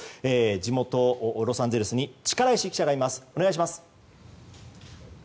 地元ロサンゼルスに力石記者がいます。